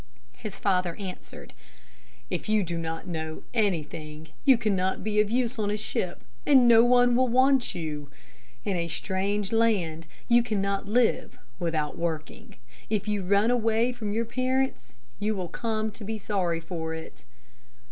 His father answered, "If you do not know anything you cannot be of use on a ship, and no one will want you. In a strange land you cannot live without working. If you run away from your parents you will come to be sorry for it."